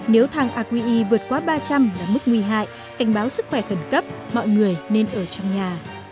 nếu thang aqi vượt quá ba trăm linh là mức nguy hại cảnh báo sức khỏe khẩn cấp mọi người nên ở trong nhà